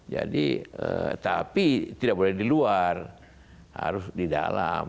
jadi tapi tidak boleh di luar harus di dalam